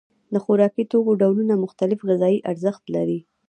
د خوراکي توکو ډولونه مختلف غذایي ارزښت لري.